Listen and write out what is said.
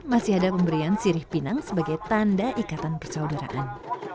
masih ada pemberian sirih pinang sebagai tanda ikatan persaudaraan